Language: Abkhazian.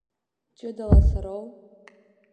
Ҷыдала сароу?